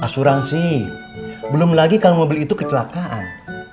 asuransi belum lagi kalau mobil itu kecelakaan